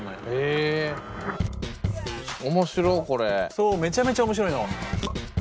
そうめちゃめちゃ面白いの。